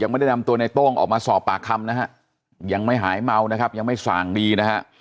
ไม่ได้นำตัวในโต้งออกมาสอบปากคำนะฮะยังไม่หายเมานะครับยังไม่ส่างดีนะฮะ